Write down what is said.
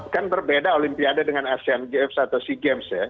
kan berbeda olimpiade dengan asean games atau sea games ya